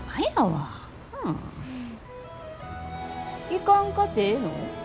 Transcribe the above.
行かんかてええの？